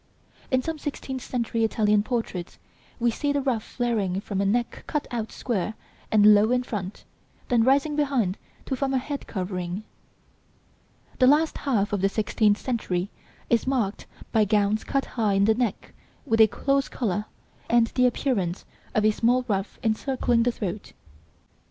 In some sixteenth century Italian portraits we see the ruff flaring from a neck cut out square and low in front, then rising behind to form a head covering. The last half of the sixteenth century is marked by gowns cut high in the neck with a close collar, and the appearance of a small ruff encircling the throat.